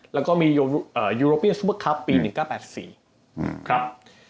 แล้วก็มียูโรเปียซูเปอร์คลับปี๑๙๘๔ครับ